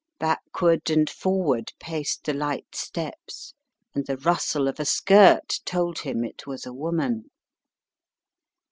Back ward and forward paced the light steps, and the rustle of a skirt told him it was a woman.